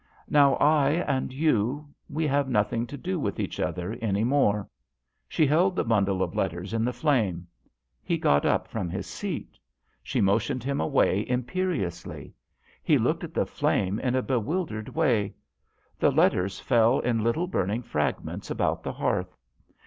Now I and you we have nothing to do with each other any more." She held the bundle of letters in the flame. He got up from his seat. She motioned him away imperiously. He looked at the flame in a bewildered way. The letters fell in little burning frag ments about the hearth.